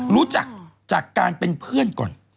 รู้จักจากการเป็นเพื่อนก่อน